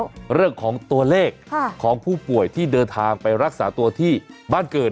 เรื่องของตัวเลขของผู้ป่วยที่เดินทางไปรักษาตัวที่บ้านเกิด